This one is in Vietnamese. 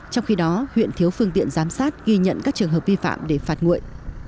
trong khi đó huyện thiếu phương tiện giám sát ghi nhận các trường hợp vi phạm để phạt nguội